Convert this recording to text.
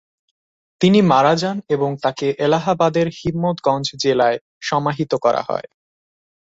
তিনি মারা যান এবং তাকে এলাহাবাদের হিম্মতগঞ্জ জেলায় সমাহিত করা হয়।